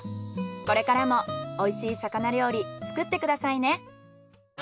これからも美味しい魚料理作ってくださいね。